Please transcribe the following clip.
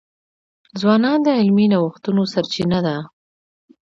ځوانان د علمي نوښتونو سرچینه ده.